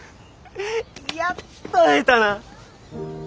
やっと会えたな！